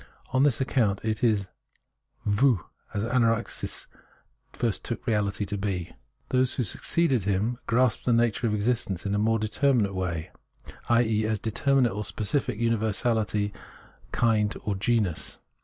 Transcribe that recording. On this account it is fow, as Anaxagoras first took reahty to be. Those who succeeded him grasped the nature of existence in a more determinate way as elSoi or ISea, i.e. as determinate or specific universahty, kind or genus.